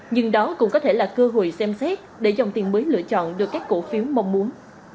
nhưng đó cũng có thể là cơ hội xem xét để dòng tiền mới lựa chọn được các cổ phiếu mong muốn